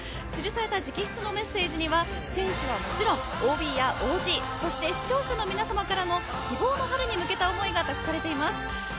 記された直筆のメッセージには選手はもちろんＯＢやＯＧそして視聴者の皆さまからの希望の春に向けた思いが託されています。